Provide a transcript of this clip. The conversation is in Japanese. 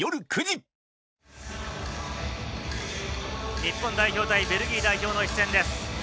日本代表対ベルギー代表の一戦です。